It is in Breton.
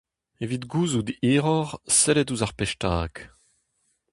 Evit gouzout hiroc'h sellit ouzh ar pezh stag.